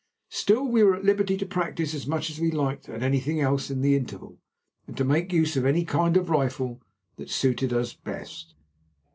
Still we were at liberty to practise as much as we liked at anything else in the interval and to make use of any kind of rifle that suited us best.